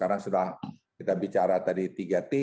karena sudah kita bicara tadi tiga t